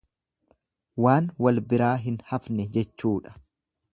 Waan wal biraa hin hafne jechuudha.